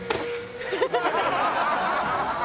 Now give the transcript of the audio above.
「ハハハハ！」